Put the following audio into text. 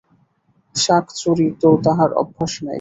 শাক-চুরি তো তাঁহার অভ্যাস নাই।